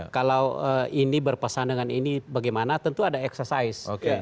kalau ini berpesan dengan ini bagaimana tentu ada exercise